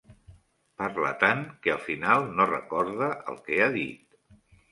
Parla tant que al final no recorda el que ha dit.